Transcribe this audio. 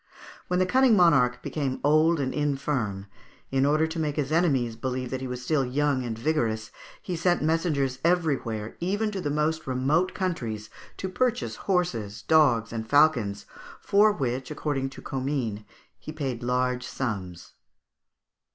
When the cunning monarch became old and infirm, in order to make his enemies believe that he was still young and vigorous, he sent messengers everywhere, even to the most remote countries, to purchase horses, dogs, and falcons, for which, according to Comines, he paid large sums (Fig.